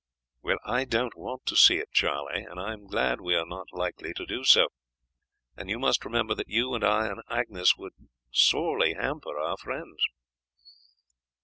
"Well, I don't want to see it, Charlie, and I am glad that we are not likely to do so; and you must remember that you and I and Agnes would sorely hamper our friends."